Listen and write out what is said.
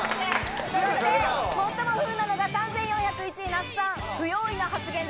最も不運なのが３４０１位、那須さん。